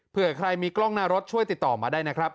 เพื่อใครมีกล้องหน้ารถช่วยติดต่อมาได้นะครับ